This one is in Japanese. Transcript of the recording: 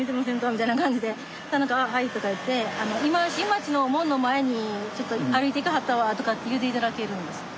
みたいな感じでそしたら何か「あっはい」とか言って「今新町の門の前にちょっと歩いていきはったわ」とかって言うて頂けるんですよ。